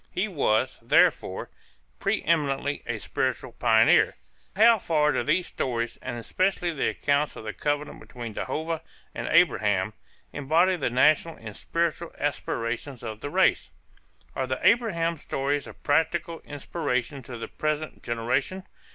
He was, therefore, pre eminently a spiritual pioneer. How far do these stories, and especially the accounts of the covenant between Jehovah and Abraham, embody the national and spiritual aspirations of the race? Are the Abraham stories of practical inspiration to the present generation?